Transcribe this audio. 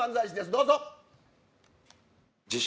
どうぞ。